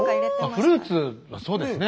フルーツそうですね。